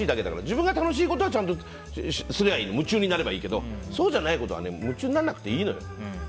自分が楽しいことはちゃんとやればいい夢中になればいいけどそうじゃないことは夢中にならなくていいのよ。